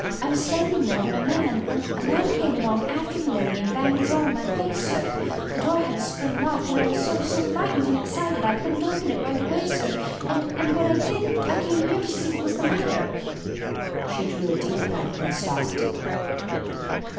I was standing there when a man a man came along after the lady, and banged the door in my face, sir. The door had a spring lock, and I was so so frightened and excited I couldn't open it right away, sir, and and when I did I came here to see what was the matter." She drew a deep breath and stopped.